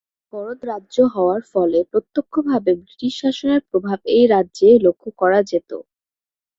করদ রাজ্য হওয়ার ফলে প্রত্যক্ষভাবে ব্রিটিশ শাসনের প্রভাব এই রাজ্যে লক্ষ্য করা যেত।